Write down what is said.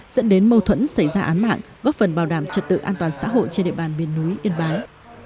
dẫn đến mâu thuẫn xảy ra án mạng góp phần bảo đảm trật tự an toàn xã hội trên địa bàn miền núi yên bái